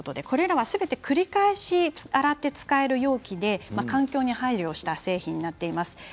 これらは、すべて繰り返し洗って使える容器で環境に配慮した製品になっています。